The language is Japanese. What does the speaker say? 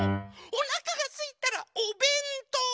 おなかがすいたら「おべんとう」！